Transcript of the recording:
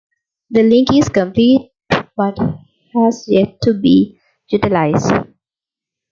The link is complete but has yet to be utilized.